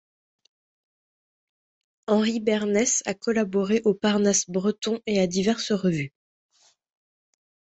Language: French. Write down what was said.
Henri Bernès a collaboré au Parnasse breton et à diverses revues.